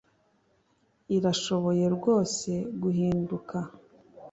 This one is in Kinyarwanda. Irashoboye rwose guhinduka